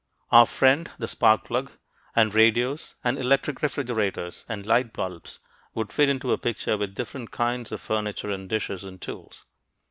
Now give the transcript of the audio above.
Our friend the spark plug, and radios and electric refrigerators and light bulbs would fit into a picture with different kinds of furniture and dishes and tools.